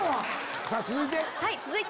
さぁ続いて。